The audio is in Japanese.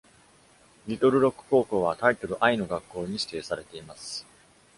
リトルロック高校はタイトル I の学校に指定されています。